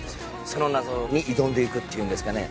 その謎に挑んでいくっていうんですかね。